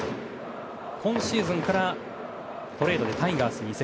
今シーズンからトレードでタイガースに移籍。